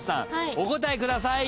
お答えください。